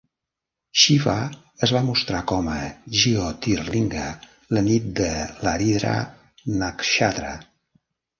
Xiva es va mostrar com a Jyotirlinga la nit de l'Aridra Nakshatra.